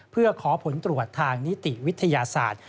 เพื่อขอผลตรวจทางนิติวิทยาศาสตร์